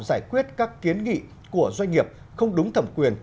giải quyết các kiến nghị của doanh nghiệp không đúng thẩm quyền